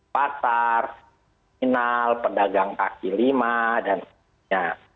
pasar final pedagang kaki lima dan sebagainya